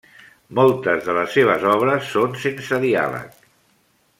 Moltes de les seves obres són sense diàleg.